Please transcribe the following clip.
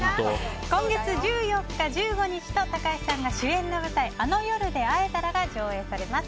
今月１４日、１５日と高橋さんが主演の舞台「あの夜であえたら」が上演されます。